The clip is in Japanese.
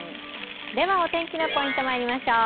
では、お天気のポイントまいりましょう。